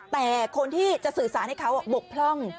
แต่คนที่จะสื่อสารให้เขาบกพร่อง